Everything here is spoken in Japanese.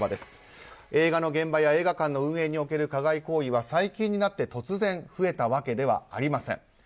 映画の現場や映画館の運営における加害行為は最近になって突然増えたわけではありません。